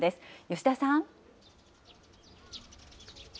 吉田さん。